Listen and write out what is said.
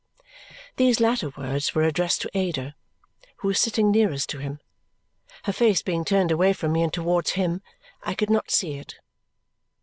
These latter words were addressed to Ada, who was sitting nearest to him. Her face being turned away from me and towards him, I could not see it.